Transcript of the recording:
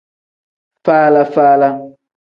Faala-faala.